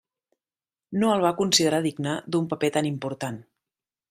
No el va considerar digne d'un paper tan important.